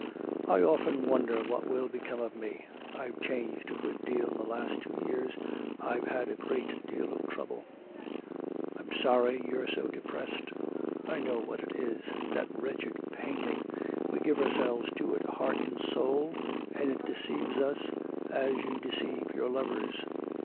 'I often wonder what will become of me. I've changed a good deal in the last two years. I've had a great deal of trouble.' 'I'm sorry you're so depressed. I know what it is. That wretched painting, we give ourselves to it heart and soul, and it deceives us as you deceive your lovers.'